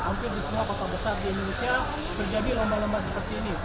hampir di semua kota besar di indonesia terjadi lomba lomba seperti ini